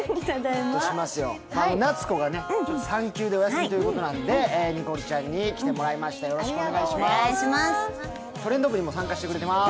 夏子が産休でお休みということなんでニコルちゃんに来てもらいました、よろしくお願いします。